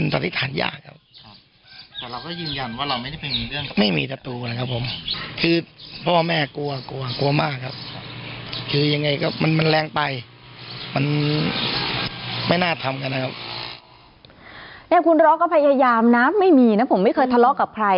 เนี่ยคุณระก็พยายามนะไม่มีนะผมไม่เคยทะเลาะกับใคร